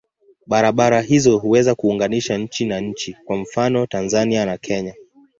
Barabara hizo huweza kuunganisha nchi na nchi, kwa mfano Tanzania na Kenya.